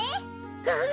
うん。